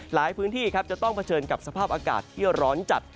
หลายพื้นที่ครับจะต้องเผชิญกับสภาพอากาศที่ร้อนจัด